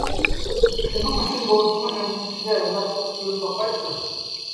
شۇنىڭ ئۈچۈن بولسىمۇ ئەمگىكىگە ھۆرمەت قىلىپ كۆرۈپ باقايچۇ!